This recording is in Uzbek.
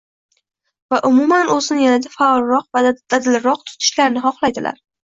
va umuman o‘zini yanada faolroq va dadilroq tutishlarini xohlaydilar.